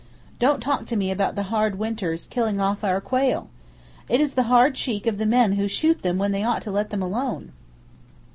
Don't talk to me about the "hard winters" killing off our quail! It is the hard cheek of the men who shoot them when they ought to let them alone.